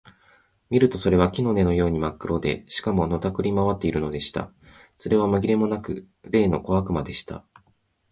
見るとそれは木の根のようにまっ黒で、しかも、のたくり廻っているのでした。それはまぎれもなく、例の小悪魔でした。